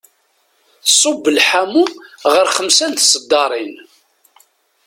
Tṣub lḥamu ɣer xemsa n tseddarin.